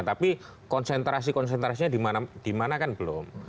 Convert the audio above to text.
tapi konsentrasi konsentrasinya di mana kan belum